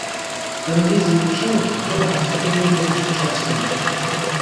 Գնդի զինանշանը թուրքերը հասցրել էին ոչնչացնել։